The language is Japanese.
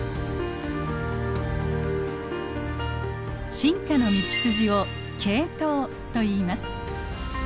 進化の道筋を「系統」といいます。